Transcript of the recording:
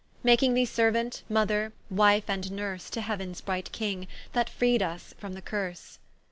Making thee Seruant, Mother, Wife, and Nurse To Heauens bright King, that freed vs from the curse.